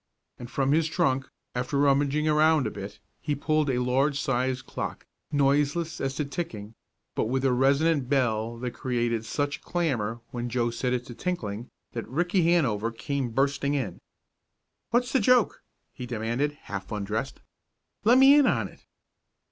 And from his trunk, after rummaging about a bit, he pulled a large sized clock, noiseless as to ticking, but with a resonant bell that created such a clamor, when Joe set it to tinkling, that Ricky Hanover came bursting in. "What's the joke?" he demanded, half undressed. "Let me in on it."